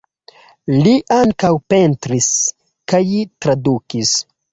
Li ankaŭ pentris kaj tradukis.